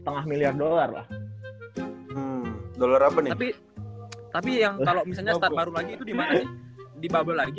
setengah miliar dollar lah dollar tapi tapi yang kalau misalnya baru lagi itu dimana dibawa lagi